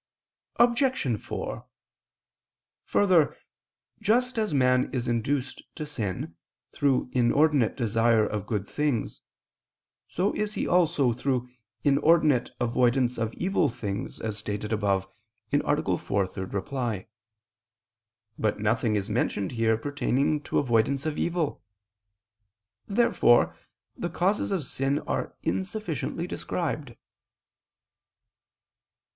Obj. 4: Further, just as man is induced to sin, through inordinate desire of good things, so is he also, through inordinate avoidance of evil things, as stated above (A. 4, ad 3). But nothing is mentioned here pertaining to avoidance of evil. Therefore the causes of sin are insufficiently described.